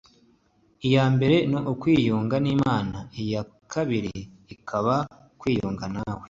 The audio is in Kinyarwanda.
iya mbere ni ukwiyunga n’imana, iya kabiri ikaba kwiyunga nawe